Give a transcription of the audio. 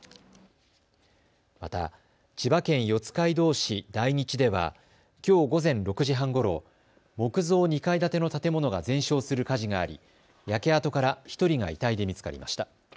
また、千葉県四街道市大日ではきょう午前６時半ごろ、木造２階建ての建物が全焼する火事があり焼け跡から１人が遺体で見つかりました。